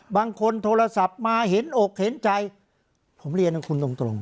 โทรศัพท์มาเห็นอกเห็นใจผมเรียนของคุณตรง